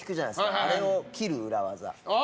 あれを切る裏技。